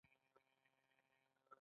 بشر له موجودو شیانو څخه استفاده کوي.